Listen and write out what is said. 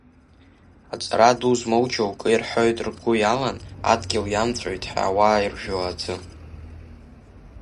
Аҵара ду змоу џьоукы ирҳәоит ргәы иалан, адгьыл иамҵәоит ҳәа ауаа иржәуа аӡы.